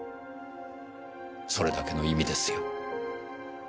それだけの意味ですよ。